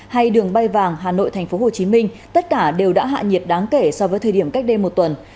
hay đường bay vàng hà nội tp hcm tất cả đều đã hạ nhiệt đáng kể so với thời điểm cách đây một tuần